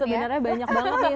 sebenarnya banyak banget ya